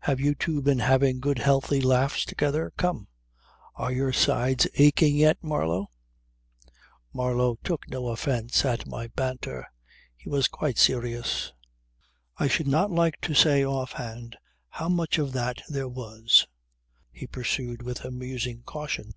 Have you two been having good healthy laughs together? Come! Are your sides aching yet, Marlow?" Marlow took no offence at my banter. He was quite serious. "I should not like to say off hand how much of that there was," he pursued with amusing caution.